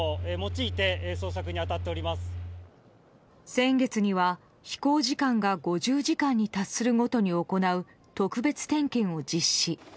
先月には飛行時間が５０時間に達するごとに行う特別点検を実施。